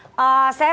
oke terima kasih